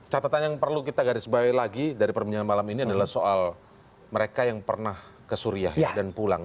catatan yang perlu kita garis bawahi lagi dari perbincangan malam ini adalah soal mereka yang pernah ke suriah dan pulang